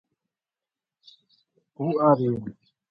In the end though, he was caught and sent to the prison camp Grini.